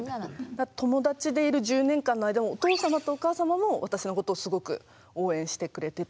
友達でいる１０年間の間もお父様とお母様も私のことをすごく応援してくれてたっていう感じで。